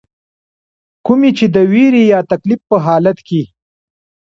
کومي چې د ويرې يا تکليف پۀ حالت کښې